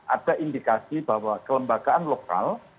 ada indikasi bahwa kelembagaan lokal